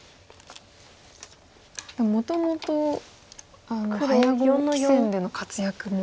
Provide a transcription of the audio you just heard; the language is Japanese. もともと早碁棋戦での活躍も。